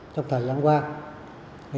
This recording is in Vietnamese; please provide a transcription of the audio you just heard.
trong thời gian qua